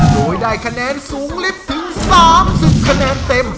โดยได้คะแนนสูงลิฟต์ถึง๓๐คะแนนเต็ม